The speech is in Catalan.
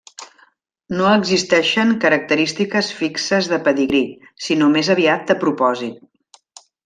No existeixen característiques fixes de pedigrí, sinó més aviat de propòsit.